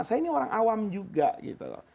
saya ini orang awam juga gitu loh